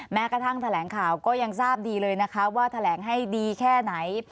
แม้กระทั่งแถลงข่าวก็ยังทราบดีเลยนะคะว่าแถลงให้ดีแค่ไหน